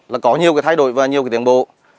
là có nhiều cái thay đổi và nhiều cái tiến bộ